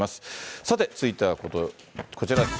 さて、続いてはこちら。